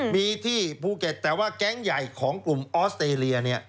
มีที่ภูเก็ตแต่ว่าแก๊งใหญ่ของกลุ่มออสเตรเลีย